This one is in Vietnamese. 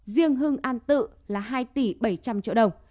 riêng hưng an tự là hai tỷ bảy trăm linh triệu đồng